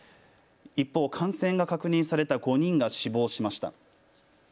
一方、感染が確認された５人が死亡しました。